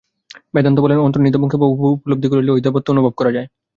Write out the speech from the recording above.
বেদান্ত বলেন, অন্তর্নিহিত মুক্তভাব উপলব্ধি করিলেই ঐ দেবত্ব অনুভব করা যায়।